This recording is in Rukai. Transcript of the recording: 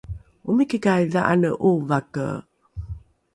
omikikai dha’ane ’ovake?